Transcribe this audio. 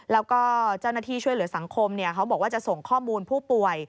แล้วก็เจ้าหน้าที่ช่วยเหลือสังคมเขาบอกว่าจะส่งข้อมูลผู้ป่วย